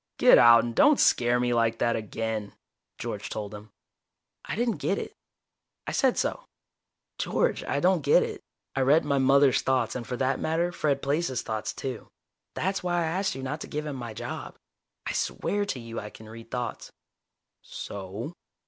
"Get out, and don't scare me like that again." George told him. I didn't get it. I said so: "George, I don't get it. I read my mother's thoughts, and for that matter, Fred Plaice's thoughts, too. That's why I asked you not to give him my job. I swear to you I can read thoughts." "So?"